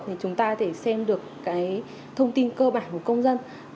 thì chúng ta có thể xem được cái thông tin cơ bản của công dân